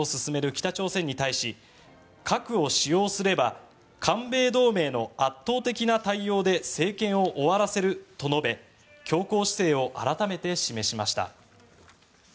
北朝鮮に対し核を使用すれば韓米同盟の圧倒的な対応で政権を終わらせると述べ強硬姿勢を改めて示しました。